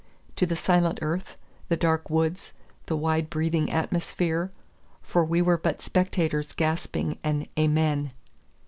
to the silent earth, the dark woods, the wide breathing atmosphere; for we were but spectators gasping an Amen!